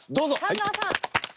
寒川さん。